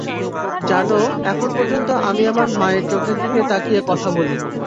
জানো, এখন পর্যন্ত আমি আমার মায়ের চোঁখের দিকে তাকিয়ে কথা বলিনি?